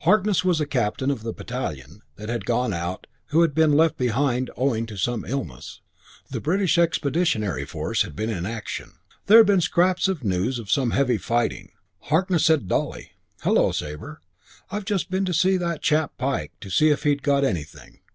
Harkness was a captain of the battalion that had gone out who had been left behind owing to some illness. The British Expeditionary Force had been in action. There had been scraps of news of some heavy fighting. Harkness said dully, "Hullo, Sabre. I've just been in to see that chap Pike to see if he'd got anything.